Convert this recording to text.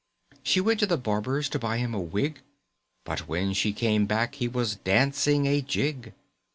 She went to the barber's To buy him a wig, But when she came back He was dancing a jig.